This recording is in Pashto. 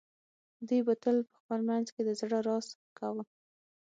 دوی به تل په خپل منځ کې د زړه راز کاوه